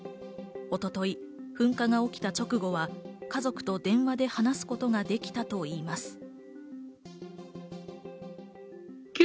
一昨日、噴火が起きた直後は家族と電話で話すことができたといいます。